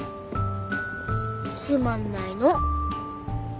つまんないの。